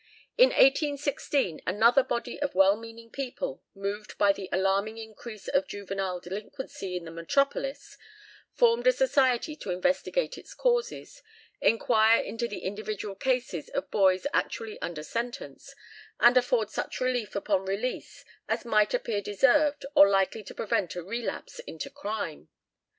In 1816 another body of well meaning people, moved by the "alarming increase of juvenile delinquency in the metropolis," formed a society to investigate its causes, inquire into the individual cases of boys actually under sentence, and afford such relief upon release as might appear deserved or likely to prevent a relapse into crime.